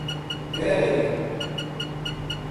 ڈیرے لے گیا